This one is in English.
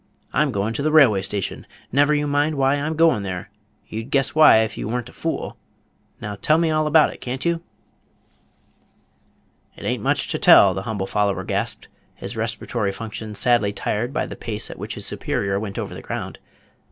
I'm goin' to the railway station. Never you mind why I'm goin' there. You'd guess why if you were n't a fool. Now tell me all about it, can't you?" "It a'n't much to tell," the humble follower gasped, his respiratory functions sadly tried by the pace at which his superior went over the ground.